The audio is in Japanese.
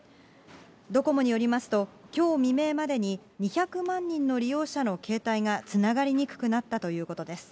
ドコモによりますと、きょう未明までに２００万人の利用者の携帯がつながりにくくなったということです。